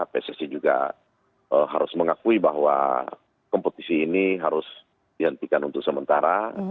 pssi juga harus mengakui bahwa kompetisi ini harus dihentikan untuk sementara